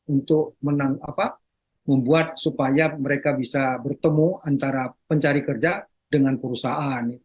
untuk membuat supaya mereka bisa bertemu antara pencari kerja dengan perusahaan